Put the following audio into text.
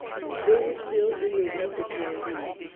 They were still in the Rue de C16ry.